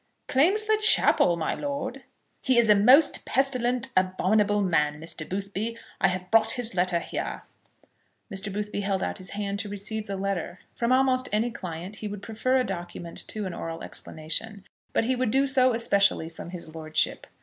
"Claims the chapel, my lord!" "He is a most pestilent, abominable man, Mr. Boothby. I have brought his letter here." Mr. Boothby held out his hand to receive the letter. From almost any client he would prefer a document to an oral explanation, but he would do so especially from his lordship.